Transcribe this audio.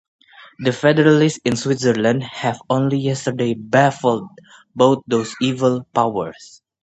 The federalists in Switzerland have only yesterday baffled both those evil powers.